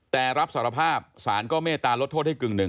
แต่รับสารภาพสารก็เมตตาลดโทษให้กึ่งหนึ่ง